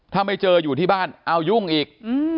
ถ้าไม่เจออยู่ที่บ้านเอายุ่งอีก